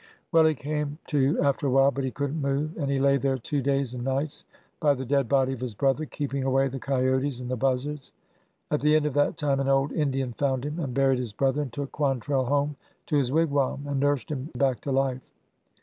'' Well, he came to after a while, but he could n't move, and he lay there two days and nights by the dead body of his brother, keeping away the coyotes and the buzzards. At the end of that time an old Indian found him and buried his brother, and took Quantrell home to his wig wam, and nursed him back to life.